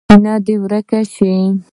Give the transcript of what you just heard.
کینه دې ورک شي.